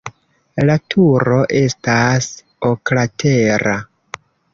La turo estas oklatera.